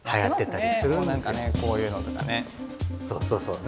そうそうそう。